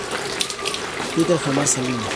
Twitter Jaime Salinas